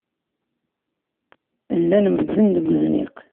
Llan medden deg uzniq.